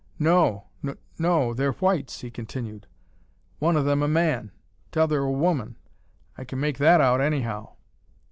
"No n no. They're whites," he continued, "one o' them a man; t'other a woman. I can make that out, anyhow."